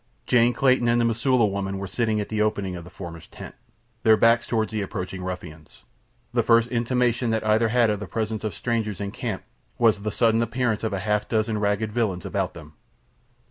Jane Clayton and the Mosula woman were sitting at the opening of the former's tent, their backs toward the approaching ruffians. The first intimation that either had of the presence of strangers in camp was the sudden appearance of a half dozen ragged villains about them.